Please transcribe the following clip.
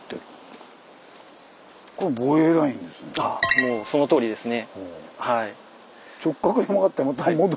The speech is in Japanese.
もうそのとおりですね。